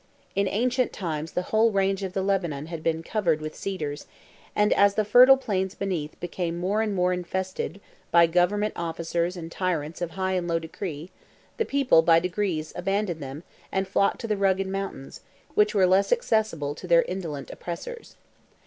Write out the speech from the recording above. In ancient times the whole range of the Lebanon had been covered with cedars, and as the fertile plains beneath became more and more infested by government officers and tyrants of high and low degree, the people by degrees abandoned them and flocked to the rugged mountains, which were less accessible to their indolent oppressors.